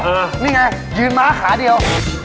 นี่ไงยืนม้าขาเดียว